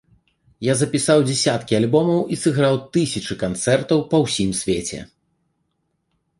Я запісаў дзясяткі альбомаў і сыграў тысячы канцэртаў па ўсім свеце.